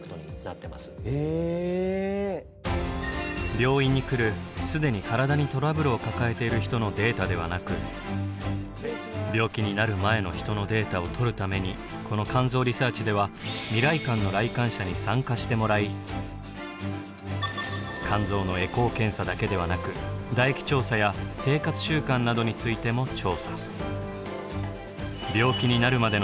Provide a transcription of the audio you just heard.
病院に来る既に体にトラブルを抱えている人のデータではなく病気になる前の人のデータをとるためにこの肝臓リサーチでは未来館の来館者に参加してもらい肝臓のエコー検査だけではなく唾液調査や生活習慣などについても調査。